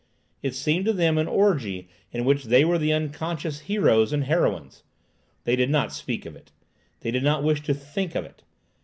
It seemed to them an orgy in which they were the unconscious heroes and heroines. They did not speak of it; they did not wish to think of it.